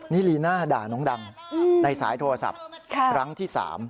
นี่ลีน่าด่าน้องดังในสายโทรศัพท์ครั้งที่๓